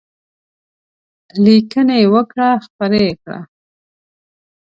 لیکنې وکړه خپرې یې کړه.